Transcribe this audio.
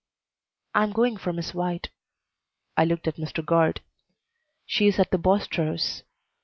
"I am going for Miss White." I looked at Mr. Guard. "She is at the Bostrows'.